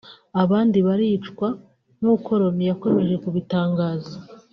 abandi baricwa nkuko Loni yakomeje kubitangaza